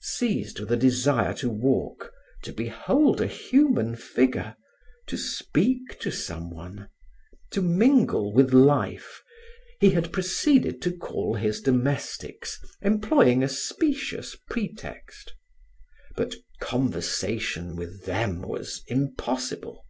Seized with a desire to walk, to behold a human figure, to speak to someone, to mingle with life, he had proceeded to call his domestics, employing a specious pretext; but conversation with them was impossible.